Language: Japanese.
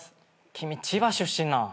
君千葉出身なん？